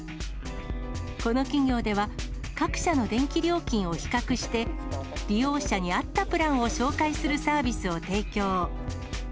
この企業では、各社の電気料金を比較して、利用者にあったプランを紹介するサービスを提供。